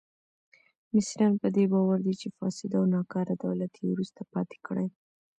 مصریان په دې باور دي چې فاسد او ناکاره دولت یې وروسته پاتې کړي.